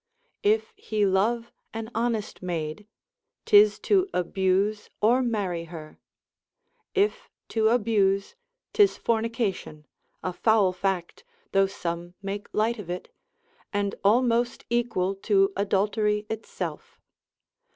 If he love an honest maid, 'tis to abuse or marry her; if to abuse, 'tis fornication, a foul fact (though some make light of it), and almost equal to adultery itself.